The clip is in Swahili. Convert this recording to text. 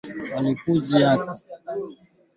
mapinduzi ya Oktoba mwaka elfu mbili na ishirini na moja